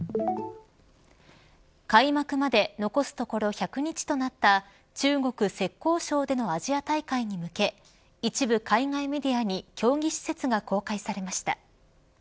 開幕まで残すところ１００日となった中国、浙江省でのアジア大会に向け一部海外メディアに競技施設が公開されました。